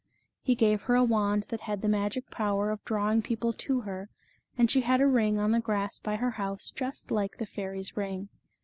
He gave her a wand that had the magic power of drawing people to her, and she had a ring on the grass by her house just like the fairy's ring.